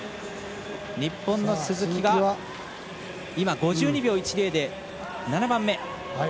日本の鈴木が５２秒１０で７番目。